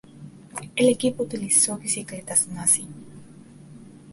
El equipo utilizó bicicletas Massi.